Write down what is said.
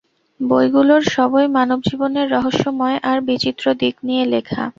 বইগুলোর সবই মানবজীবনের রহস্যময় আর বিচিত্র দিক নিয়ে লেখা।